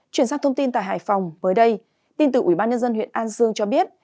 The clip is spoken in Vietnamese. truyền sang thông tin tại hải phòng tin từ ubnd huyện an dương cho biết